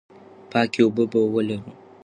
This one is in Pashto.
پاکې اوبه به ولرو.